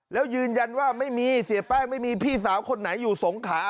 แล้วยืนยันว่าไม่มีเสียแป้งไม่มีพี่สาวคนไหนอยู่สงขา